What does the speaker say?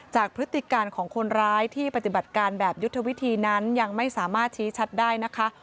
พฤติการของคนร้ายที่ปฏิบัติการแบบยุทธวิธีนั้นยังไม่สามารถชี้ชัดได้นะคะ